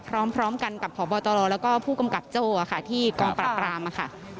พร้อมกันกับพบตรแล้วก็ผู้กำกับโจ้ค่ะที่กองปราบรามค่ะ